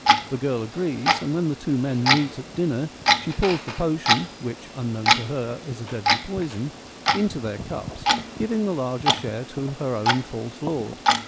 The girl agrees, and when the two men meet at dinner she pours the potion (which, unknown to her, is a deadly poison) into their cups, giving the larger share to her own false lord.